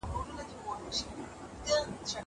زه کتابتون ته راتګ کړی دی!